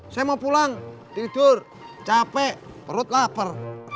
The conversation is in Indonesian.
saya mau pulang tidur capek perut lapar